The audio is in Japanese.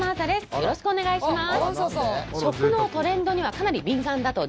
よろしくお願いします。